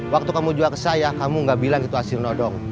waktu kamu jual ke saya kamu gak bilang itu hasil nodong